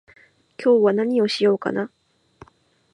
今日は何をしようかな